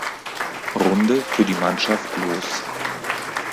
Runde für die Mannschaft los.